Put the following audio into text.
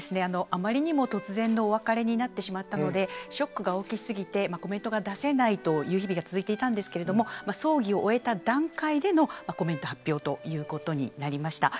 あまりにも突然のお別れでショックが大き過ぎてコメントが出せない日々が続いていましたが葬儀を終えた段階でコメント発表ということになりました。